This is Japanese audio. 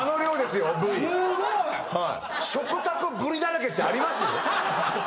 すごい。食卓ブリだらけってあります！？